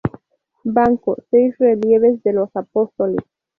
Banco; seis relieves de los apóstoles.